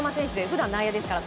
普段、内野ですから。